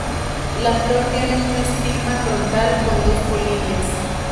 La flor tiene un estigma frontal con dos polinias.